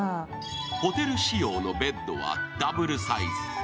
ホテル仕様のベッドはダブルサイズ。